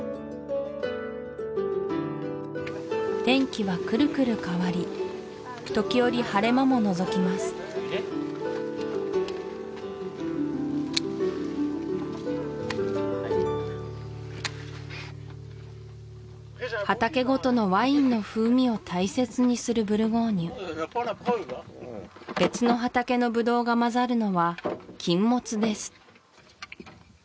天気はくるくる変わり時折晴れ間ものぞきます畑ごとのワインの風味を大切にするブルゴーニュ別の畑のブドウがまざるのは禁物です